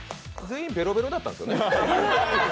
全員ベロベロやったんですよね。